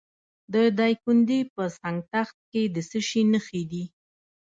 د دایکنډي په سنګ تخت کې د څه شي نښې دي؟